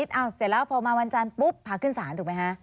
เสร็จแล้วพอมาวันสัมปุ๊บพาขึ้นสานถูกไม